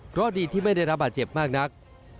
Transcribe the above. เพราะดีที่ไม่ได้รับบาดเจ็บมากนัก